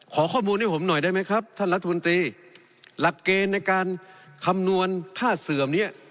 ข้อมูลให้ผมหน่อยได้ไหมครับท่านรัฐมนตรีหลักเกณฑ์ในการคำนวณค่าเสื่อมนี้